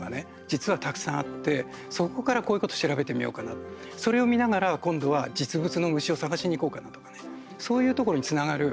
実は、たくさんあってそこからこういうこと調べてみようかなそれを見ながら、今度は実物の虫を探しに行こうかなとかねそういうところにつながる。